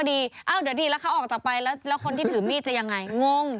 เดี๋ยวดีแล้วเขาออกจากไปแล้วคนที่ถือมีดจะยังไงงง